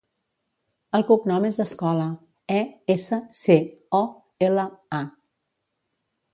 El cognom és Escola: e, essa, ce, o, ela, a.